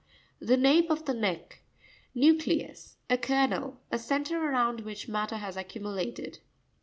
—The nape of the neck, Nvu'crevs.— A kernel. A centre around which matter has accumu lated.